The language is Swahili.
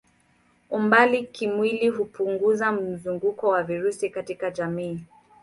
Umbali kimwili hupunguza mzunguko wa virusi katika jamii.